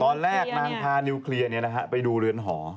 ตอนแรกนางทานิวเคลียร์อันฑนี้ไปดูเรือนห่อ